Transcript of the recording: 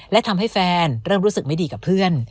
และทำให้แฟนเริ่มรู้สึกไม่ดีกับเพื่อน